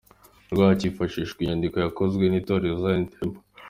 rw cyifashishije inyandiko yakozwe n’Itorero Zion Temple.